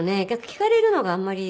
聞かれるのがあんまり。